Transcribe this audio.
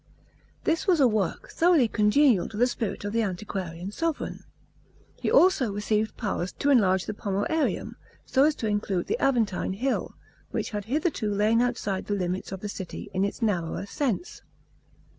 This was a work thoroughly congenial to the spirit of the antiquarian sovran. He also received powers to enlarge the Pomoerium, so as to include the Aventine hill, which had hitherto lain outside the limits of the city in its narrower sense.